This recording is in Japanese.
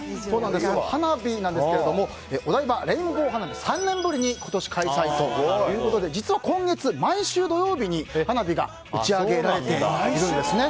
花火ですがお台場レインボー花火３年ぶりに今年開催ということで実は今月、毎週土曜日に花火が打ち上げられているんですね。